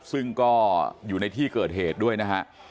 ซึ่งก็อยู่ในที่เกิดเหตุด้วยนะฮะ